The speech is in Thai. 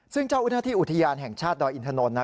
ซึ่งเจ้าอุณหภูมิอุทยานแห่งชาติดอยอินทานนท์นะ